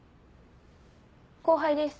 ・後輩です